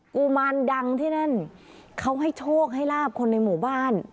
กุมารดังที่นั่นเขาให้โชคให้ลาบคนในหมู่บ้าน